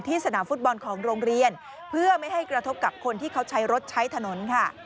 สนามฟุตบอลของโรงเรียนเพื่อไม่ให้กระทบกับคนที่เขาใช้รถใช้ถนนค่ะ